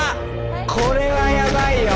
これはやばいよ。